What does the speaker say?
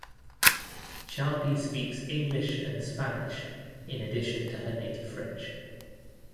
Charpy speaks English and Spanish in addition to her native French.